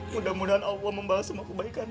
mudah mudahan allah membalas semua kebaikan